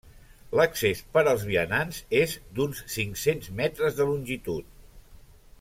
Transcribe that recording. L'accés per als vianants és d'uns cinc-cents m de longitud.